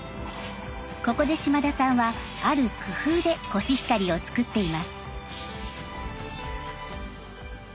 ここで嶋田さんはある工夫でコシヒカリを作っています。